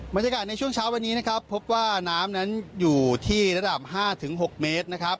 บรรยากาศในช่วงเช้าวันนี้นะครับพบว่าน้ำนั้นอยู่ที่ระดับ๕๖เมตรนะครับ